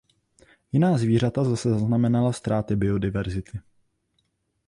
Jiná zvířata zase zaznamenala ztráty biodiverzity.